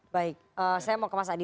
baik saya mau ke mas adi